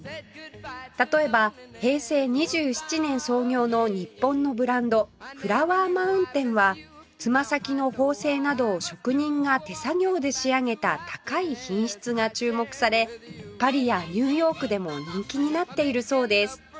例えば平成２７年創業の日本のブランドフラワーマウンテンはつま先の縫製などを職人が手作業で仕上げた高い品質が注目されパリやニューヨークでも人気になっているそうです